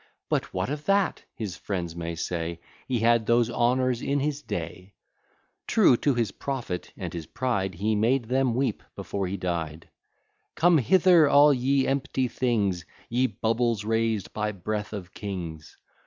But what of that? his friends may say, He had those honours in his day. True to his profit and his pride, He made them weep before he died. Come hither, all ye empty things! Ye bubbles raised by breath of kings!